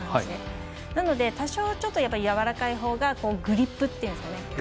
なので、多少はやわらかいほうがグリップっていうんですかね。